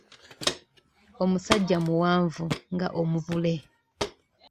Omusajja muwanvu nga Omuvule.